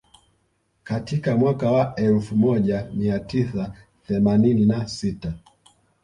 Katika mwaka wa elfu moja mia tisa themanini na sita